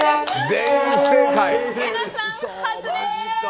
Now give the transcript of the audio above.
全員、不正解。